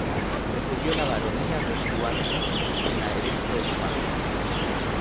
Recibió la baronía de Guadalest de la herencia de su madre.